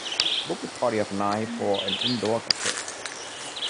book a party of nine for an indoor cafe